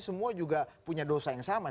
semua juga punya dosa yang sama